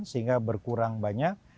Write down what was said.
sehingga berkurang banyak